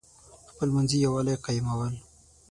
خپلمنځي یوالی قایمول.